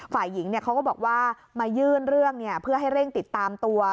ฝ่ายหญิงเขาก็บอกว่ามายื่นเรื่องเพื่อให้เร่งติดตามตัว